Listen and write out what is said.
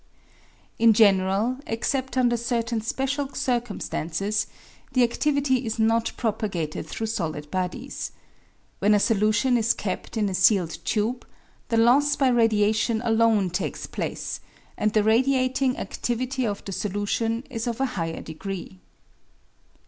In general, except under certain special circumstances, the adivity is not propagated through solid bodies. When a solution is kept in a sealed tube, the loss by radiation alone takes place, and the radiating adivity of the solution is of a higher degree.